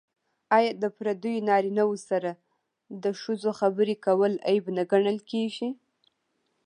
آیا د پردیو نارینه وو سره د ښځو خبرې کول عیب نه ګڼل کیږي؟